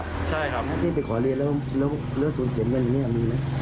ใช่ครับพี่ไปขอเรียนแล้วสูญเสียกันอย่างนี้มีไหม